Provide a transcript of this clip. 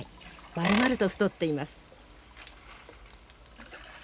まるまると太っています。